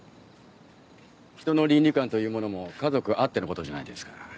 人の倫理観というものも家族あってのことじゃないですか。